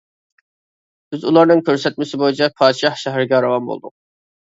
بىز ئۇلارنىڭ كۆرسەتمىسى بويىچە پادىشاھ شەھىرىگە راۋان بولدۇق.